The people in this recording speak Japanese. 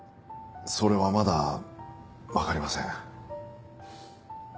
それはまだわかりません。